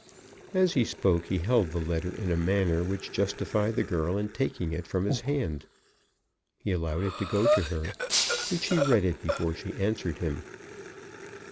As he spoke he held the letter in a manner which justified the girl in taking it from his hand. He allowed it to go to her, and she read it before she answered him.